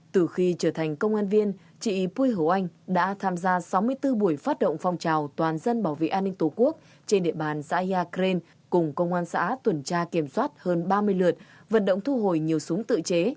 từ khi trở thành công an viên chị pui hổ oanh đã tham gia sáu mươi bốn buổi phát động phong trào toàn dân bảo vệ an ninh tổ quốc trên địa bàn xã yacren cùng công an xã tuần tra kiểm soát hơn ba mươi lượt vận động thu hồi nhiều súng tự chế